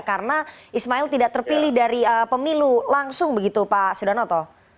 karena ismail tidak terpilih dari pemilu langsung begitu pak sudanoto